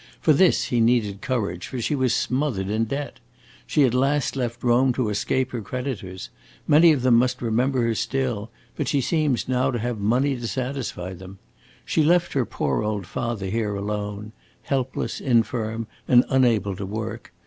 For this he needed courage, for she was smothered in debt. She at last left Rome to escape her creditors. Many of them must remember her still, but she seems now to have money to satisfy them. She left her poor old father here alone helpless, infirm and unable to work.